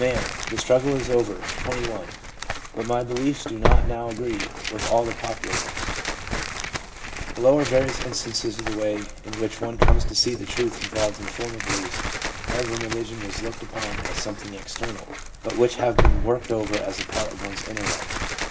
* The struggle is over (21), but my beliefs do not now agree with all the popular ones/ Below are various instances of the way in which one comes to see the truth involved in former beliefs held when religion was looked upon as something external, but which have been worked over as a part of one's inner life.